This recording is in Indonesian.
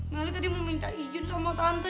meli tadi mau minta izin sama tante